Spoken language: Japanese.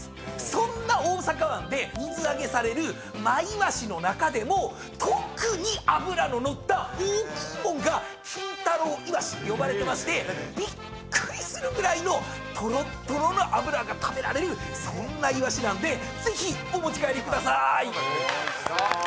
そんな大阪湾で水揚げされるマイワシの中でも特に脂の乗った大きいもんが金太郎イワシって呼ばれてましてびっくりするぐらいのとろっとろの脂が食べられるそんなイワシなんでぜひお持ち帰りくださーい。